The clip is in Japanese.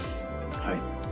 はい